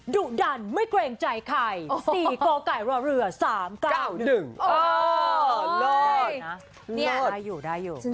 ดุดันไม่เกรงใจใคร๔กรรไกรเหลือ๓๙๑